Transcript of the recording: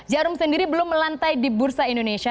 jarum sendiri belum melantai di bursa indonesia